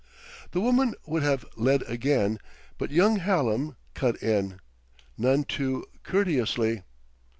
The woman would have led again, but young Hallam cut in, none too courteously.